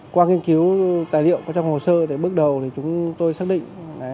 qua nghiên cứu tài liệu trong hồ sơ bước đầu chúng tôi xác định